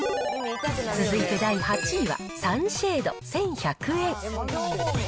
続いて第８位は、サンシェード１１００円。